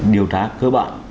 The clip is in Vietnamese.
điều trả cơ bản